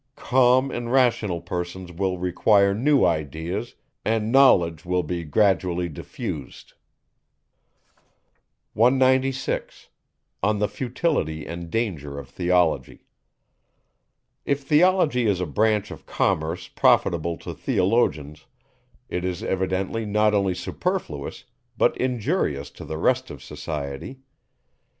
Calm and rational persons will require new ideas, and knowledge will be gradually diffused. 196. If theology is a branch of commerce profitable to theologians, it is evidently not only superfluous, but injurious to the rest of society.